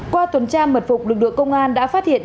qua tuần tra mật phục lực lượng công an đã phát hiện